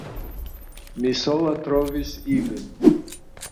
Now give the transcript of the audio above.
Mi sola trovis ilin.